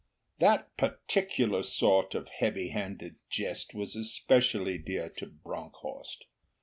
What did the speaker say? That particular sort of heavy handed jest was specially dear to Bronckhorst.